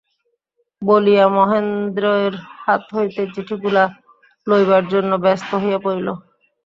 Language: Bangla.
বলিয়া মহেন্দ্রের হাত হইতে চিঠিগুলা লইবার জন্য ব্যস্ত হইয়া পড়িল।